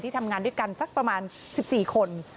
ทำงานด้วยกันสักประมาณ๑๔คน